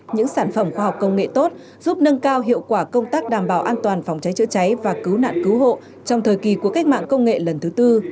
những sản phẩm khoa học công nghệ tốt giúp nâng cao hiệu quả công tác đảm bảo an toàn phòng cháy chữa cháy và cứu nạn cứu hộ trong thời kỳ của cách mạng công nghệ lần thứ tư